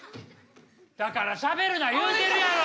だからしゃべるな言うてるやろ！